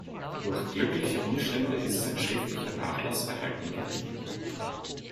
Durch glückliche Umstände ist sein schriftlicher Nachlass erhalten geblieben.